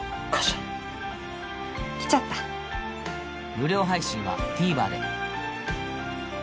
無料配信は ＴＶｅｒ で